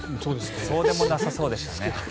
そうでもなさそうでしたね。